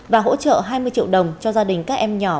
và hỗ trợ hai mươi triệu đồng cho gia đình các em nhỏ